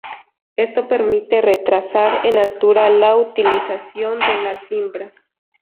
Esto permite retrasar en altura la utilización de la cimbra.